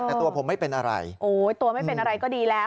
แต่ตัวผมไม่เป็นอะไรโอ้ยตัวไม่เป็นอะไรก็ดีแล้ว